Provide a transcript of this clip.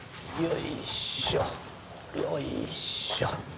よいしょ！